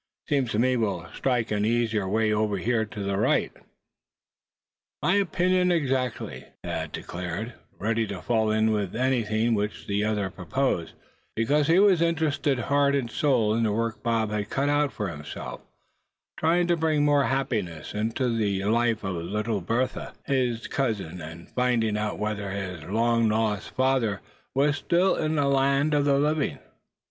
Seems to me we'll strike an easier way over to the right here." "My opinion exactly," Thad declared, ready to fall in with anything which the other proposed, because he was interested heart and soul in the work Bob had cut out for himself trying to bring more of happiness into the life of little Bertha, his cousin; and finding out whether his long lost father was still in the land of the living.